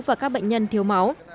và các bệnh nhân thiếu máu